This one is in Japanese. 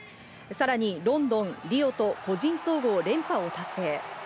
さらにロンドン、リオと個人総合連覇を達成。